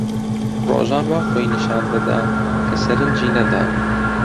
ڕۆژان وا خۆی نیشان دەدا کە سەرنجی نەداوم.